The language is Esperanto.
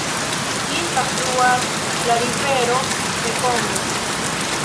Ĝin trafluas la rivero Mekongo.